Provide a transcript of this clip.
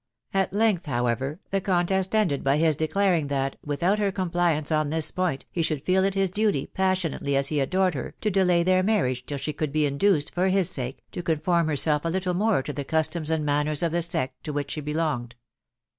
At length, however, the cav test ended by his declaring that, without her compliance on this point, he should feel it his duty, passionately as he adored her, to delay their marriage till she could be induced, lor his sake, to conform herself a little more to the customs and man ners of the sect to which he belonged.